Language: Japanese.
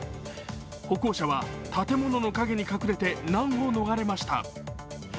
歩行者は建物の陰に隠れて難を逃れました。